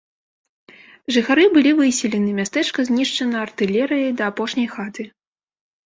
Жыхары былі выселены, мястэчка знішчана артылерыяй да апошняй хаты.